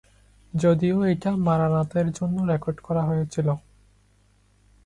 যদিও এটা মারানাথের জন্য রেকর্ড করা হয়েছিল!